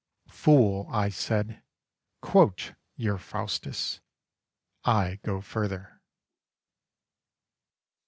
' Fool,' I said, ' Quote your Faustus. I go further.'